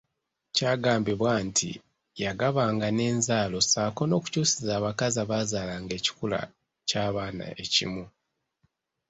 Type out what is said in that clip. Kyagambibwanga nti yagabanga n'enzaalo ssaako okukyusiza abakazi abaazaalanga ekikula ky'abaana ekimu.